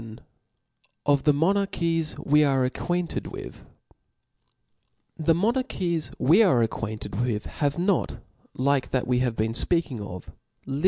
VIL I Of the Monarchies we are acquainted witL Book T^HE monarchies we are acquainted with have XL A not, like that we have been fpeaking of* Chap.